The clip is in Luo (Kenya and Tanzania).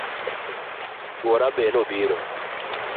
Chuora be nobiro